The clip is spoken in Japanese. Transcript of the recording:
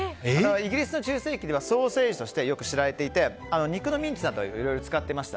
イギリスの中世期ではソーセージとして知られていて肉のミンチを使っていました。